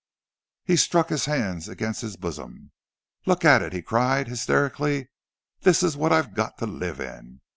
He struck his hands against his bosom. "Look at it!" he cried, hysterically. "This is what I've got to live in!